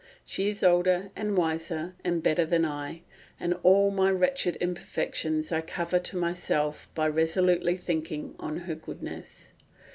She is older and wiser and better than I, and all my wretched imperfections I cover to myself by resolutely thinking on her goodness.